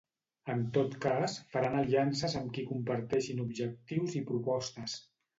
En tot cas, faran aliances amb qui comparteixin objectius i propostes.